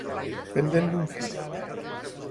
Pendent d'un fil.